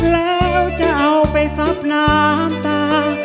แล้วจะเอาไปซับน้ำตา